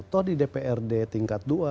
toh di dprd tingkat dua